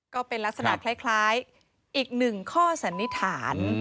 ก็เป็นลักษณะคล้ายอีกหนึ่งข้อสันนิษฐาน